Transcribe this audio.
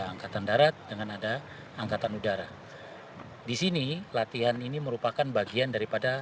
angkatan darat dengan ada angkatan udara disini latihan ini merupakan bagian daripada